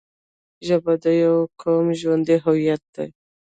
ژبه د یوه قوم ژوندی هویت دی